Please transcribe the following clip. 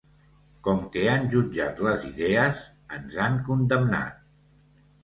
Com que han jutjat les idees, ens han condemnat.